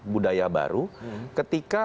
budaya baru ketika